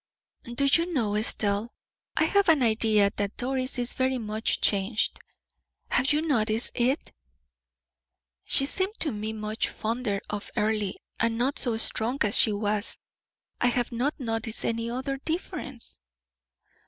"Do you know, Estelle, I have an idea that Doris is very much changed? Have you noticed it?" "She seemed to me much fonder of Earle, and not so strong as she was; I have not noticed any other difference."